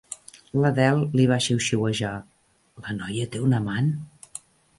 L'Adele li va xiuxiuejar: "La noia té un amant?"